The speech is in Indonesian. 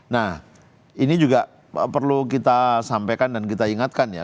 nah ini juga perlu kita sampaikan dan kita ingatkan ya